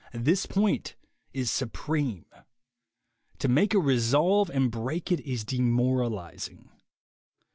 This point is supreme. To make a resolve and break it is demoralizing.